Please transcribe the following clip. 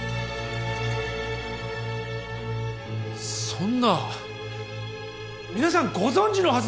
そんな皆さんご存じのはずです！